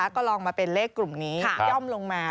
ก็ลองมาเป็นเลขกลุ่มนี้ย่อมลงมา